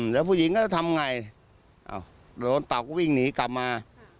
แล้วผู้หญิงก็จะทำไงโดนเต่าก็วิ่งหนีกลับมา